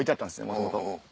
もともと。